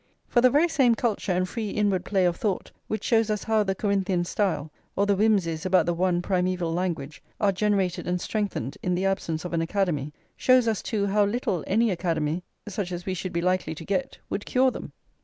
For the very same culture and free inward play of thought which shows us how the Corinthian style, or the whimsies about the One Primeval Language, are generated and strengthened in the absence of an [xi] Academy, shows us, too, how little any Academy, such as we should be likely to get, would cure them.